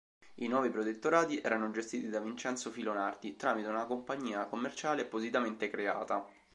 I nuovi protettorati erano gestiti da Vincenzo Filonardi, tramite una compagnia commerciale appositamente creata.